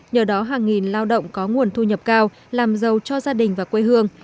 nhờ đó hàng nghìn lao động có nguồn thu nhập cao làm giàu cho gia đình và quê hương